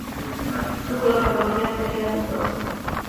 Su cronología sería dudosa.